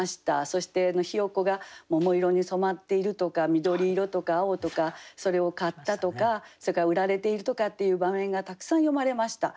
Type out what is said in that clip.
そしてひよこが桃色に染まっているとか緑色とか青とかそれを買ったとかそれから売られているとかっていう場面がたくさん詠まれました。